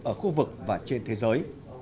ở khu vực và trên thế giới